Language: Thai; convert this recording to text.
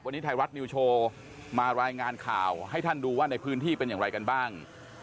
วันนี้ไทยรัฐนิวโชว์มารายงานข่าวให้ท่านดูว่าในพื้นที่เป็นอย่างไรกันบ้าง